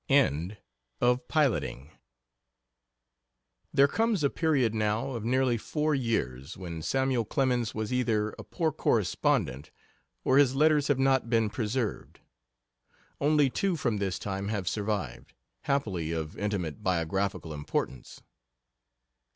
END OF PILOTING There comes a period now of nearly four years, when Samuel Clemens was either a poor correspondent or his letters have not been preserved. Only two from this time have survived happily of intimate biographical importance.